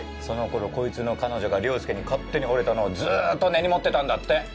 その頃こいつの彼女が凌介に勝手にほれたのをずっと根に持ってたんだって。